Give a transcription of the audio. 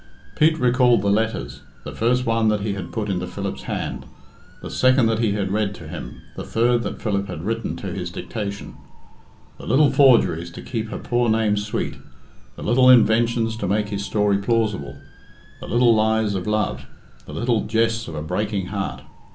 Pete recalled the letters the first one that he had put into Philip's hand, the second that he had read to him, the third that Philip had written to his dictation. The little forgeries' to keep her poor name sweet, the little inventions to make his story plausible, the little lies of love, the little jests of a breaking heart!